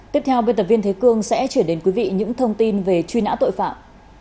tiếp theo biên tập viên thế cương sẽ chuyển đến quý vị những thông tin về truy nã tội phạm